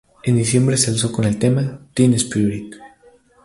En diciembre se alzó con el tema ""Teen Spirit"".